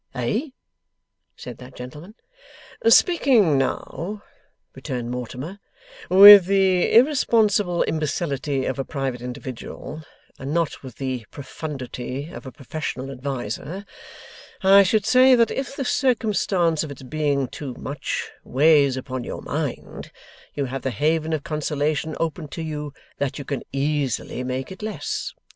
'Eh?' said that gentleman. 'Speaking now,' returned Mortimer, 'with the irresponsible imbecility of a private individual, and not with the profundity of a professional adviser, I should say that if the circumstance of its being too much, weighs upon your mind, you have the haven of consolation open to you that you can easily make it less.